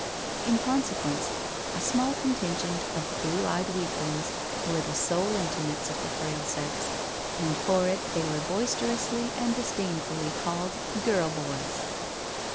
In consequence, a small contingent of blue eyed weaklings were the sole intimates of the frail sex, and for it they were boisterously and disdainfully called "girl boys."